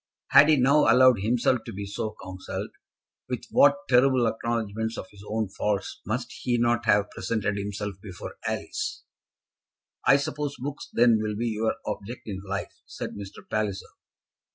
Had he now allowed himself to be so counselled, with what terrible acknowledgements of his own faults must he not have presented himself before Alice? "I suppose books, then, will be your object in life?" said Mr. Palliser.